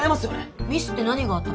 ミスって何があったの？